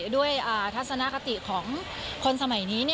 ทัศนคติของคนสมัยนี้